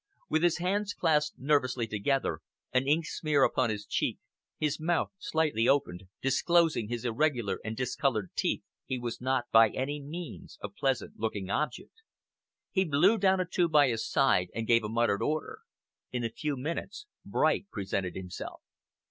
With his hands clasped nervously together, an ink smear upon his cheek, his mouth slightly open, disclosing his irregular and discoloured teeth, he was not by any means a pleasant looking object. He blew down a tube by his side and gave a muttered order. In a few minutes Bright presented himself.